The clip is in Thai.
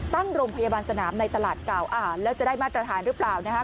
ตั้งโรงพยาบาลสนามในตลาดเก่าแล้วจะได้มาตรฐานหรือเปล่านะคะ